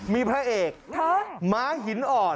มีพระเอกม้าหินอ่อน